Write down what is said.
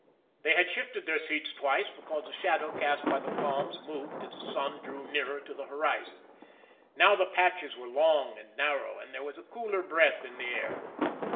They had shifted their seats twice, because the shadow cast by the palms moved as the sun drew nearer to the horizon. Now the patches were long and narrow, and there was a cooler breath in the air.